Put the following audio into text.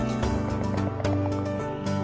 นั่นแหละครับ